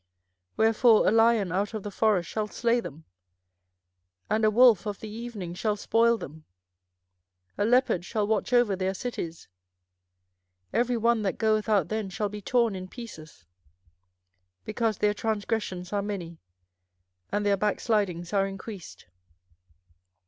24:005:006 Wherefore a lion out of the forest shall slay them, and a wolf of the evenings shall spoil them, a leopard shall watch over their cities: every one that goeth out thence shall be torn in pieces: because their transgressions are many, and their backslidings are increased.